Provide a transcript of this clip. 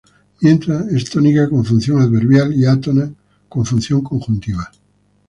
Mientras: es tónica con función adverbial y átona con función conjuntiva.